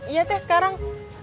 iya teh sekarang